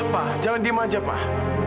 pak jalan diem aja pak